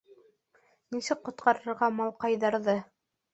Нисек ҡотҡарырға малҡайҙарҙы?